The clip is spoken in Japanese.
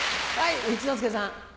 一之輔さん。